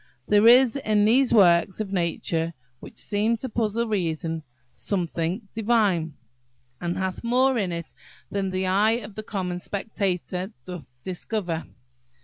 There is in these works of Nature, which seem to puzzle reason, something divine, and hath more in it than the eye of a common spectator doth discover."